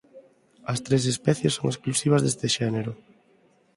As tres especies son exclusivas deste xénero.